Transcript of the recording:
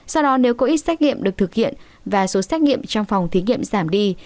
sau đó nếu có ít xét nghiệm được thực hiện và số xét nghiệm trong phòng thí nghiệm giảm đi